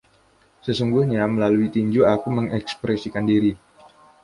Sesungguhnya, melalui tinju aku mengekspresikan diri.